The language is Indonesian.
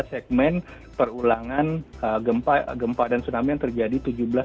pada segmen perulangan gempa dan tsunami yang terjadi seribu tujuh ratus sembilan puluh tujuh